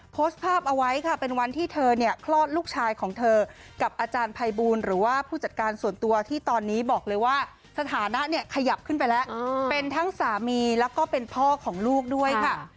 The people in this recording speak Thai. โพสต์ภาพเอาไว้ค่ะเป็นวันที่เธอเนี่ยคลอดลูกชายของเธอกับอาจารย์ภัยบูลหรือว่าผู้จัดการส่วนตัวที่ตอนนี้บอกเลยว่าสถานะเนี่ยขยับขึ้นไปแล้วเป็นทั้งสามีแล้วก็เป็นพ่อของลูกด้วยค่ะ